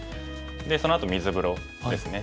そのあと水風呂ですね。